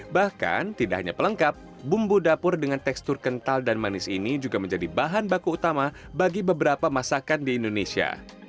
bahkan tidak hanya pelengkap bumbu dapur dengan tekstur kental dan manis ini juga menjadi bahan baku utama bagi beberapa masakan di indonesia